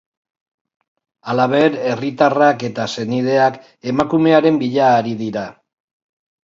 Halaber, herritarrak eta senideak emakumearen bila ari dira.